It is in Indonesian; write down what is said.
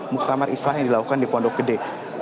muktamar islah yang dilakukan di pondok gede